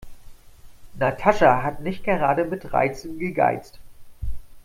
Natascha hat nicht gerade mit Reizen gegeizt.